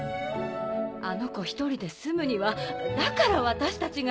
あの子一人で住むにはだから私たちが。